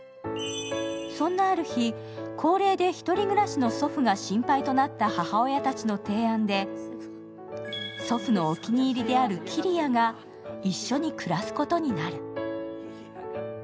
そんなある日、高齢でひとり暮らしの祖父が心配となった母親たちの提案で祖父のお気に入りである桐矢が一緒に暮らすことになる。